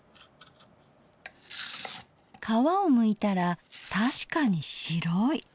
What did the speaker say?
皮をむいたら確かに白い。